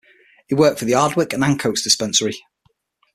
He worked for the Ardwick and Ancoats Dispensary.